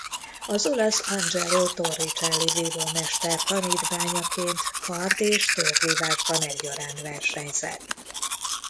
Az olasz Angelo Torricelli vívómester tanítványaként kard- és tőrvívásban egyaránt versenyzett.